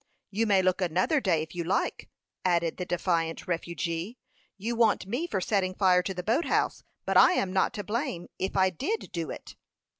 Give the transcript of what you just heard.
"You may look another day, if you like," added the defiant refugee. "You want me for setting fire to the boat house; but I am not to blame, if I did do it."